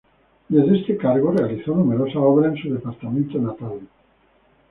Desde este cargo realizó numerosas obras en su departamento natal.